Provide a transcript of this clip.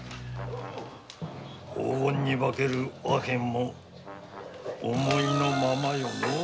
黄金に化けるアヘンも思いのままよのう。